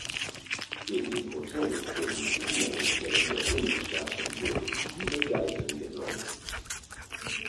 In den Hotels sowie anderen Stellen der Innenstadt wurden viele Geiseln genommen.